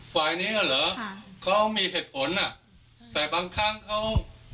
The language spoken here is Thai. ฝ่ายเนี้ยเหรอค่ะเขามีเหตุผลอ่ะแต่บางครั้งเขา